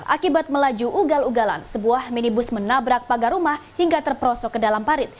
akibat melaju ugal ugalan sebuah minibus menabrak pagar rumah hingga terperosok ke dalam parit